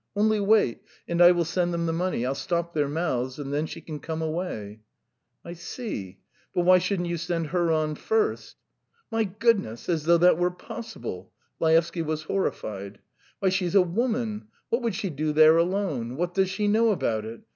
Only wait, and I will send them the money. I'll stop their mouths, and then she can come away." "I see. ... But why shouldn't you send her on first?" "My goodness, as though that were possible!" Laevsky was horrified. "Why, she's a woman; what would she do there alone? What does she know about it?